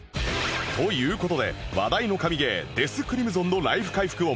という事で話題の神ゲー『デスクリムゾン』のライフ回復音